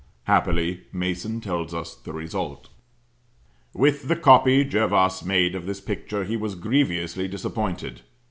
Happily, Mason tells us the result. "With the copy Jervas made of this picture he was grievously disappointed.